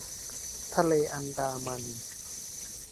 ทะเลอันดามัน